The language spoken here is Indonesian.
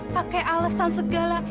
pakai alasan segala